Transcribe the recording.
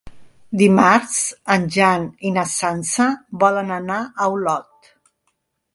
Dimarts en Jan i na Sança volen anar a Olot.